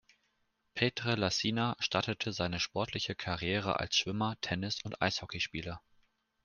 Petr Lacina startete seine sportliche Karriere als Schwimmer, Tennis- und Eishockeyspieler.